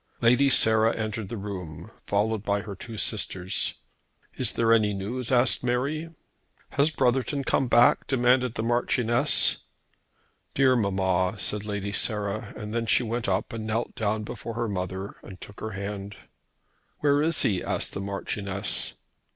Lady Sarah entered the room, followed by her two sisters. "Is there any news?" asked Mary. "Has Brotherton come back?" demanded the Marchioness. "Dear mamma!" said Lady Sarah; and she went up and knelt down before her mother and took her hand. "Where is he?" asked the Marchioness.